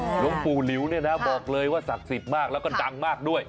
หลวงปู่หลิวเนี่ยนะบอกเลยว่าศักดิ์สิทธิ์มากแล้วก็ดังมากด้วย